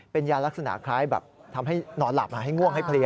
เป็นยาลักษณะคล้ายแบบทำให้นอนหลับให้ง่วงให้เพลีย